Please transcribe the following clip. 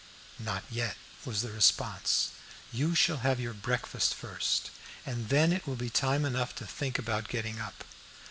"Not yet," was the response; "you shall have your breakfast first, and then it will be time enough to think about getting up.